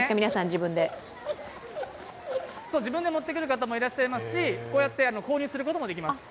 自分で持ってくる方もいらっしゃいますし、購入することもできます。